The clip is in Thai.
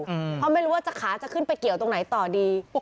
เพราะไม่รู้ว่าขาจะขึ้นไปเกี่ยวตรงไหนต่อดี